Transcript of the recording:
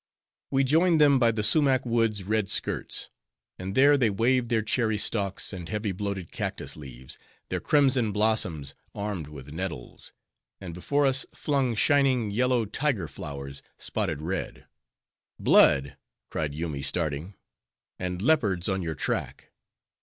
We joined them by the sumach wood's red skirts; and there, they waved their cherry stalks, and heavy bloated cactus leaves, their crimson blossoms armed with nettles; and before us flung shining, yellow, tiger flowers spotted red. "Blood!" cried Yoomy, starting, "and leopards on your track!"